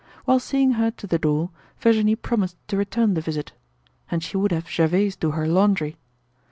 While seeing her to the door, Virginie promised to return the visit. And she would have Gervaise do her laundry.